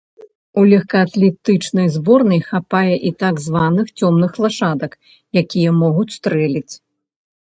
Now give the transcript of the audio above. У лёгкаатлетычнай зборнай хапае і так званых цёмных лашадак, якія могуць стрэліць.